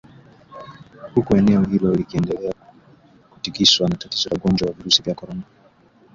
huku eneo hilo likiendelea kutikiswa na tatizo la ugonjwa wa virusi vya korona